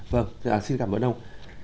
vâng xin cảm ơn ông